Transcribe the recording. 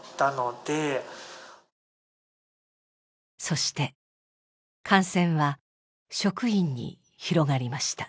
そして感染は職員に広がりました。